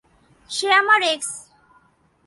সে আমার এক্স।